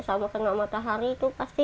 sama kena matahari itu pasti